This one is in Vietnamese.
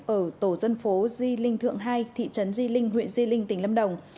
ở tổ dân phố di linh thượng hai thị trấn di linh huyện di linh tỉnh lâm đồng